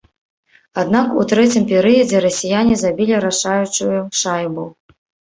Аднак у трэцім перыядзе расіяне забілі рашаючую шайбу.